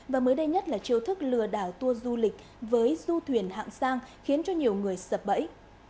và mới đây nhất là chiêu thức lừa đảo tour du lịch với du thuyền hạng sang khiến cho nhiều người sập bẫy